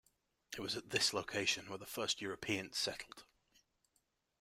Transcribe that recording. It was at this location where the first Europeans settled.